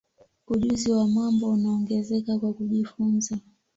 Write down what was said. ujuzi wa mambo unaongezeka kwa kujifunza